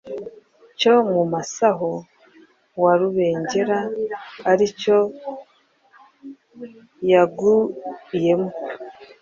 cyo mu Musaho wa Rubengera ari cyo yaguyemo